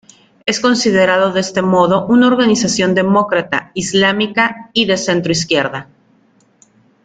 Es considerado de este modo una organización demócrata islámica y de centroizquierda.